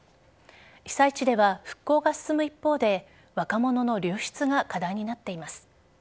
被災地では復興が進む一方で若者の流出が課題になっています。